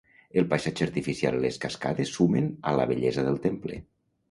El paisatge artificial i les cascades sumen a la bellesa del temple.